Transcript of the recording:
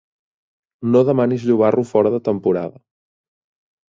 No demanis llobarro fora de temporada.